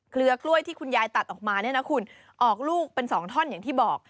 เครือกล้วยที่คุณยายตัดออกมาออกลูกเป็น๒ท่อนอย่างที่บอก